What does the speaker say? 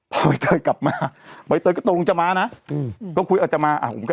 พอใบเตยกลับมาใบเตยก็ตกลงจะมานะก็คุยอาจจะมาผมก็